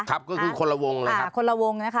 ครับก็คือคนละวงเลยครับ